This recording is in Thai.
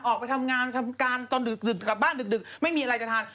ออกไปทำงานทำการตอนดึกกลับบ้านดึกไม่มีอะไรจะทาน